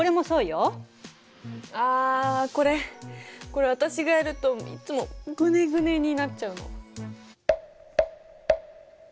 あこれこれ私がやるといっつもグネグネになっちゃうの。